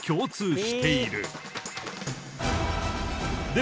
で